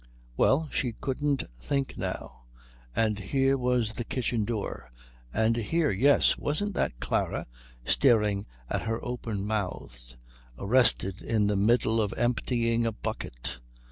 Well, she couldn't think now. And here was the kitchen door; and here yes, wasn't that Klara, staring at her open mouthed, arrested in the middle of emptying a bucket?